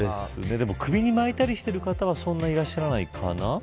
でも、首に巻いたりしてる方はそんなにいらっしゃらないかな。